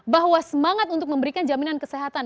bahwa semangat untuk memberikan jaminan kesehatan